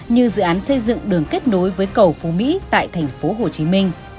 như dự án xây dựng đường kết nối với cầu phú mỹ tại tp hcm